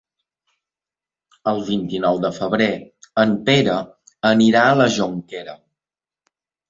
El vint-i-nou de febrer en Pere anirà a la Jonquera.